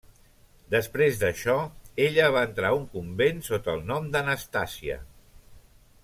Després d'això, ella va entrar a un convent sota el nom d'Anastàsia.